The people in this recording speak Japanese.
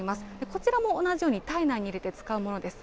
こちらも同じように体内に入れて使うものです。